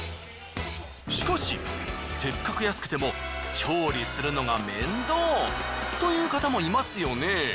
しかしせっかく安くても調理するのが面倒という方もいますよね。